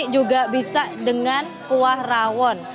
juga bisa dengan kuah rawon